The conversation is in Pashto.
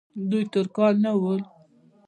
دوی ترکان نه ول.